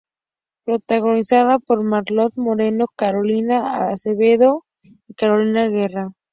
Protagonizada por Marlon Moreno, Carolina Acevedo y Carolina Guerra.